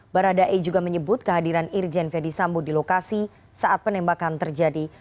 barada e juga menyebut kehadiran irjen ferdisambu di lokasi saat penembakan terjadi